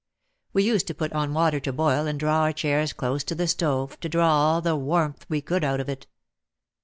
We used to put on water to boil and draw our chairs close to the stove, to draw all the warmth we could out of it.